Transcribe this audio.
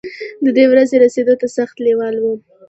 د دې ورځې رسېدو ته سخت لېوال وم.